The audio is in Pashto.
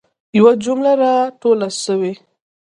یوه جمله را توله سوي.